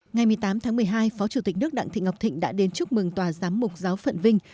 ngày một mươi tám tháng một mươi hai phó chủ tịch nước đặng thị ngọc thịnh đã đến chúc mừng tòa giám mục giáo phận vinh